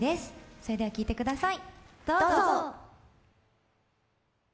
それでは聴いてください。